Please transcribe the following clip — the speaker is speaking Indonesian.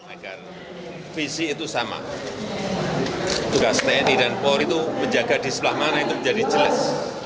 agar visi itu sama tugas tni dan polri itu menjaga di sebelah mana itu menjadi jelas